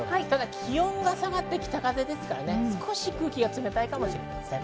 気温が下がってきて北風ですから空気が冷たいかもしれません。